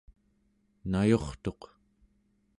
nayurtuq